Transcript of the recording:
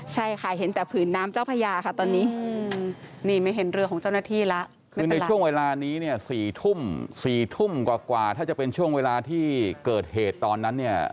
ใช่ค่ะเห็นแต่ผืนน้ำเจ้าพญาค่ะตอนนี้